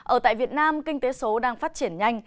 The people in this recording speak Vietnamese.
ở tại việt nam kinh tế số đang phát triển nhanh